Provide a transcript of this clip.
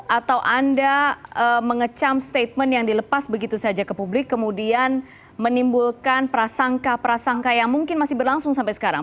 atau anda mengecam statement yang dilepas begitu saja ke publik kemudian menimbulkan prasangka prasangka yang mungkin masih berlangsung sampai sekarang